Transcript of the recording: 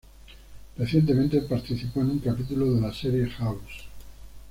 Recientemente participó en un capítulo de la serie "House".